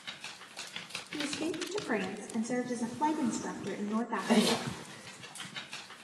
He escaped to France and served as a flight instructor in North Africa.